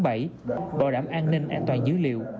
bảo đảm an ninh an toàn dữ liệu